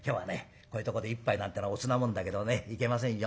こういうとこで一杯なんてのはおつなもんだけどねいけませんよ。